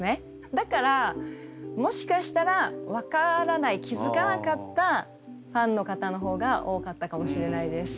だからもしかしたら分からない気付かなかったファンの方のほうが多かったかもしれないです。